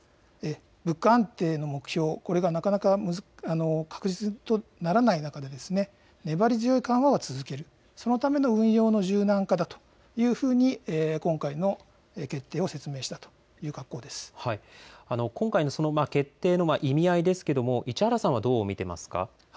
物価安定の目標、これがなかなか確実とならない中で、粘り強い緩和は続ける、そのための運用の柔軟化だというふうに今回の決定を説明したとい今回の決定の意味合いですけれども、市原さんはどう見てますか。